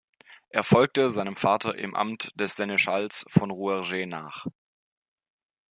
Er folgte seinem Vater im Amt des Seneschalls von Rouergue nach.